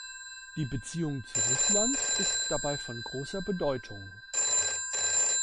Die Beziehung zu Russland ist dabei von großer Bedeutung.